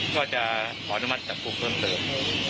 ก็จะขออนุมัติจับกลุ่มเพิ่มเติม